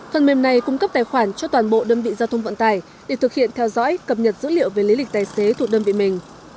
phần mềm này cung cấp tài khoản cho toàn bộ đơn vị giao thông vận tải để thực hiện theo dõi cập nhật dữ liệu về lý lịch tài xế thuộc đơn vị mình